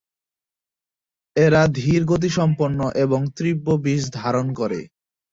এরা ধীর গতিসম্পন্ন এবং তীব্র বিষ ধারণ করে।